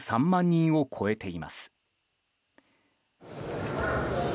人を超えています。